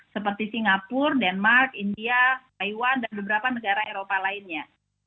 seperti singapura denmark india taiwan dan beberapa negara eropa lainnya